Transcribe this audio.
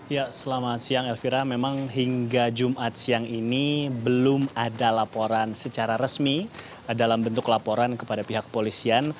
ya selamat siang elvira memang hingga jumat siang ini belum ada laporan secara resmi dalam bentuk laporan kepada pihak kepolisian